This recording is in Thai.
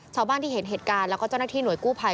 ชาวบ้านที่เห็นเหตุการณ์แล้วก็เจ้าหน้าที่หน่วยกู้ภัย